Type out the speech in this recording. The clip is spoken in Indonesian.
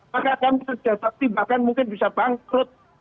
maka kami sudah pasti bahkan mungkin bisa bangkrut